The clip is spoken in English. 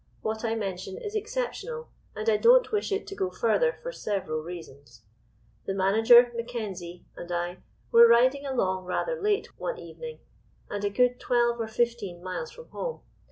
What I mention is exceptional, and I don't wish it to go further for several reasons. "The Manager, Mackenzie, and I were riding along rather late one evening, and a good twelve or fifteen miles from home.